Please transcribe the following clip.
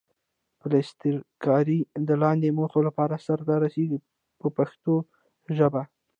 پلسترکاري د لاندې موخو لپاره سرته رسیږي په پښتو ژبه.